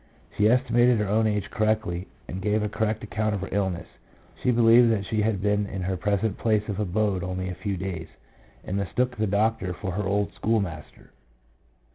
She estimated her own age correctly, and gave a correct account of her illness. She believed that she had been in her present place of abode only a few days, and mistook the doctor for her old schoolmaster.